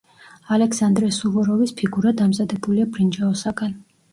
ალექსანდრე სუვოროვის ფიგურა დამზადებულია ბრინჯაოსაგან.